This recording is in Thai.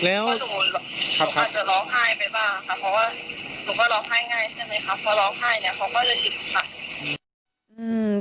เพราะร้องไห้เนี่ยเค้าก็เลยอิ่มค่ะ